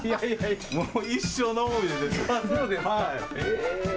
もう一生の思い出です。